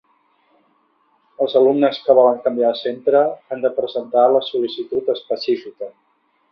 Els alumnes que volen canviar de centre han de presentar la sol·licitud específica.